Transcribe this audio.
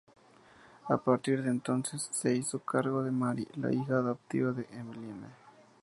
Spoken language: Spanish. A partir de entonces se hizo cargo de Mary, la hija adoptiva de Emmeline.